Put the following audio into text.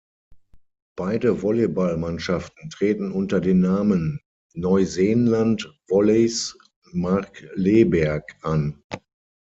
Beide Volleyball-Mannschaften treten unter den Namen "Neuseenland-Volleys Markkleeberg" an.